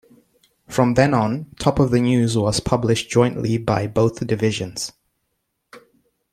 From then on "Top of the News" was published jointly by both divisions.